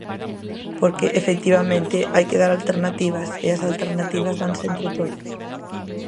Porque, efectivamente, hai que dar alternativas, e as alternativas danse entre todos.